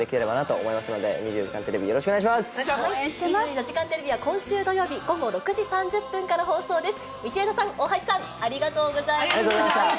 ２４時間テレビは今週土曜日、午後６時３０分から放送です。